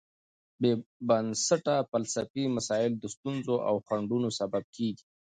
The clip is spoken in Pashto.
بېبنسټه فلسفي مسایل د ستونزو او خنډونو سبب کېږي.